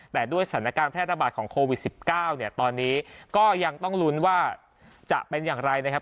แต่ด้วยสถานการณ์แพร่ระบาดของโควิด๑๙เนี่ยตอนนี้ก็ยังต้องลุ้นว่าจะเป็นอย่างไรนะครับ